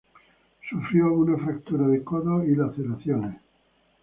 Sufrió una fractura de codo y laceraciones.